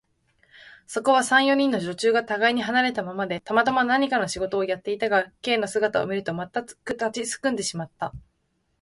そこでは、三、四人の女中がたがいに離れたままで、たまたま何かの仕事をやっていたが、Ｋ の姿を見ると、まったく立ちすくんでしまった。